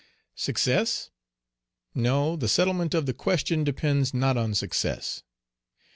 Success? No, the settlement of the question depends not on success.